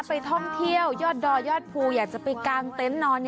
ไปท่องเที่ยวยอดดออย่าเพราะอยากจะไปกลางเต็ม